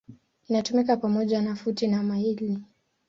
Inatumika pamoja na futi na maili.